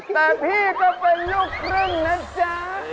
แต่พี่ก็เป็นลูกครึ่งนะจ๊ะ